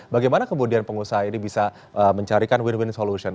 bagaimana kemudian pengusaha ini bisa mencarikan win win solution